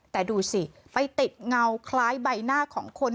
แต่ดูสิไปติดเงาคล้ายใบหน้าของคน